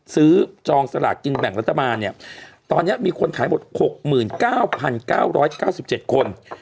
ซื้อจองสลากกินแบ่งรัฐบาลเนี้ยตอนเนี้ยมีคนขายหมดหกหมื่นเก้าพันเก้าร้อยเก้าสิบเจ็ดคน